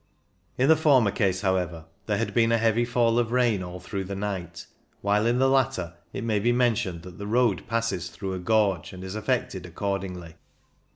In the former case, however, there had been a heavy fall of rain all through the night ; while in the latter it may be mentioned that the road passes through a gorge, and is affected accordingly.